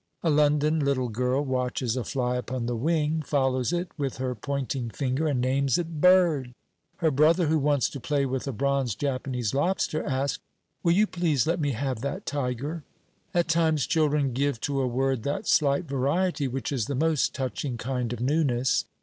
A London little girl watches a fly upon the wing, follows it with her pointing finger, and names it "bird." Her brother, who wants to play with a bronze Japanese lobster, ask "Will you please let me have that tiger?" At times children give to a word that slight variety which is the most touching kind of newness.